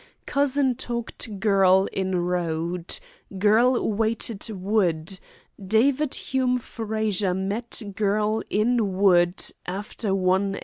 Cousin talked girl in road. Girl waited wood. David Hume Frazer met girl in wood after 1 a.